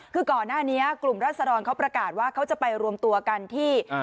คือก่อนหน้านี้กลุ่มรัศดรเขาประกาศว่าเขาจะไปรวมตัวกันที่